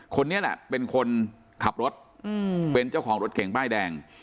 คนนี้แหละเป็นคนขับรถเป็นเจ้าของรถเก่งป้ายแดง